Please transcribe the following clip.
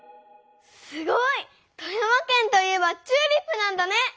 すごい！富山県といえばチューリップなんだね！